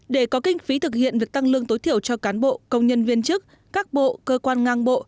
để có kinh phí thực hiện việc tăng lương tối thiểu cho cán bộ công nhân viên chức các bộ cơ quan ngang bộ